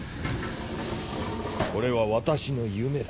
これは私の夢だ。